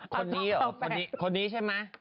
คนนี้หรอคนนี้ใช่มั้ย